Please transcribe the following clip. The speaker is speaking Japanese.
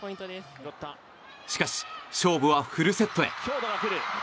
しかし、勝負はフルセットへ。